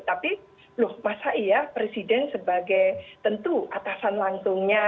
tapi loh masa iya presiden sebagai tentu atasan langsungnya